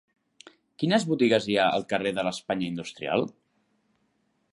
Quines botigues hi ha al carrer de l'Espanya Industrial?